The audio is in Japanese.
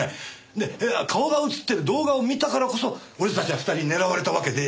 顔が映ってる動画を見たからこそ俺たちは２人狙われたわけで。